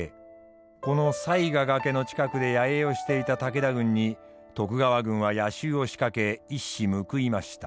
この犀ヶ崖の近くで野営をしていた武田軍に徳川軍は夜襲をしかけ一矢報いました。